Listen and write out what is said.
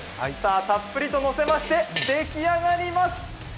たっぷりとのせましてできあがります！